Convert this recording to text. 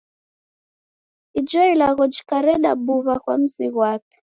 Ijo ilagho jikareda bugha kwa mzi ghwape.